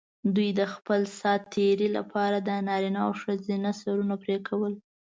دوی د خپل سات تېري لپاره د نارینه او ښځو سرونه پرې کول.